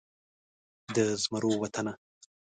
د زمرو وطنه